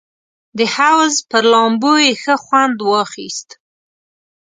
د حوض پر لامبو یې ښه خوند واخیست.